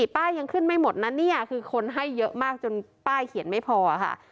ป้ายยังขึ้นไม่หมดนะเนี่ยคือคนให้เยอะมากจนป้ายเขียนไม่พอค่ะ